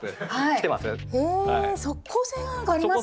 へえ即効性がなんかありますね。